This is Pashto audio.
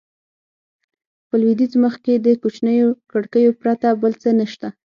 په لوېدیځ مخ کې د کوچنیو کړکیو پرته بل څه نه شته.